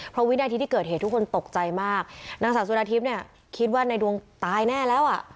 เพราะวินาทีที่เกิดเหตุทุกคนตกใจมากนางสาวสุดาทิพย์เนี่ยคิดว่าในดวงตายแน่แล้วอ่ะ